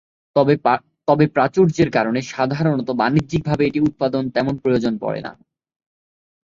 তবে প্রাচুর্যের কারণে সাধারণত বাণিজ্যিকভাবে এটি উৎপাদনের তেমন প্রয়োজন পড়ে না।